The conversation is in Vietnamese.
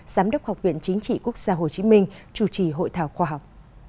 giám đốc học viện chính trị quốc gia hồ chí minh chủ trì hội thảo khoa học